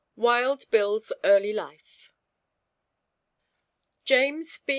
WILD BILL'S EARLY LIFE. JAMES B.